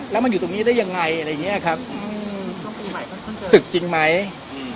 แล้วมันอยู่ตรงนี้ได้ยังไงอะไรอย่างเงี้ยครับอืมตึกจริงไหมอืม